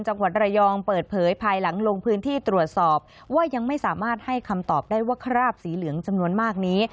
จังหวัดระยองเปิดเผยภายหลังลงพื้นที่ตรวจสอบว่ายังไม่สามารถให้คำตอบได้ว่าคราบสีเหลืองจำนวนมากนี้